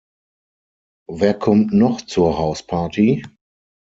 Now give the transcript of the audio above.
Wer kommt noch zur Hausparty?